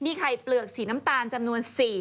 มีไข่เปลือกสีน้ำตาลจำนวน๔